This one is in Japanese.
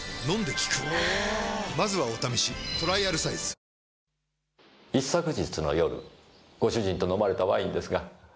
「ポリデント」一昨日の夜ご主人と飲まれたワインですが。